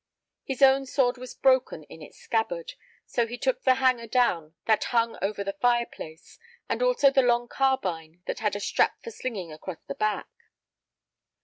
His own sword was broken in its scabbard, so he took the hanger down that hung over the fireplace, and also the long carbine that had a strap for slinging across the back.